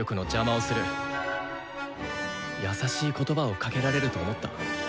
優しい言葉をかけられると思った？